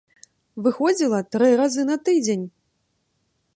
Выходзіла тры разы на тыдзень.